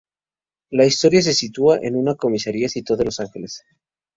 La historia se sitúa en una comisaría situada en Los Ángeles.